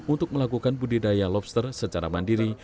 untuk melakukan budidaya lobster secara mandiri